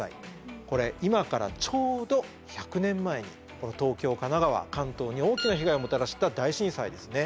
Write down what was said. これ今からちょうど１００年前にこの東京神奈川関東に大きな被害をもたらした大震災ですね。